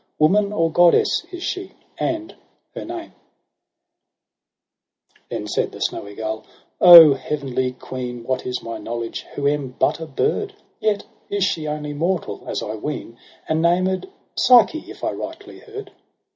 Woman or goddess is she ? and her name.' ifz EROS & PSYCHE Then said the snowy gull, ' O heavenly queen, What is my knowledge, who am but a bird ? Yet is she only mortal, as I ween. And named Psyche, if I rightly heard.'